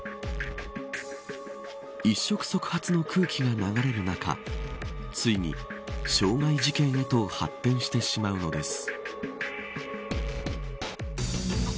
一触即発の空気が流れる中ついに、傷害事件へと発展してしまうのです。